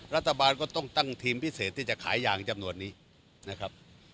รัฐบาลก็ต้องตั้งทีมพิเศษที่จะขายยางจำนวนนี้นะครับ